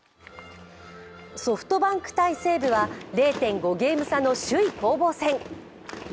ソフトバンク×西武は０．５ゲーム差の首位攻防戦。